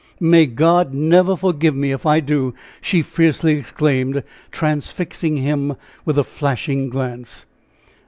"May God never forgive me if I do!" she fiercely exclaimed, transfixing him with a flashing glance.